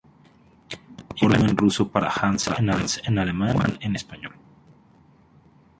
Iván es la forma en ruso para Hans en alemán o Juan en español.